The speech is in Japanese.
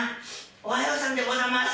おはようさんでございます。